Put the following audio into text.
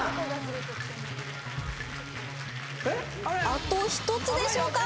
あと１つでしょうか。